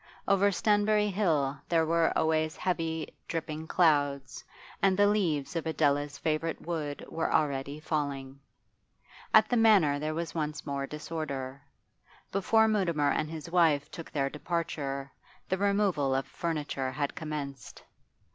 Over Stanbury Hill there were always heavy, dripping clouds, and the leaves of Adela's favourite wood were already falling. At the Manor there was once more disorder; before Mutimer and his wife took their departure the removal of furniture had commenced.